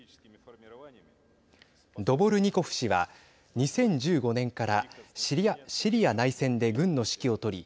ドボルニコフ氏は２０１５年からシリア内戦で軍の指揮を執り